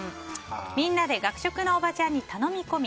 みんなで学食のおばちゃんに頼み込み